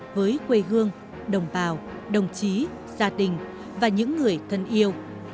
với quê hương đồng bào đồng chí gia đình và những người thân yêu